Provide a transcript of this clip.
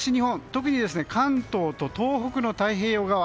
特に関東と東北の太平洋側。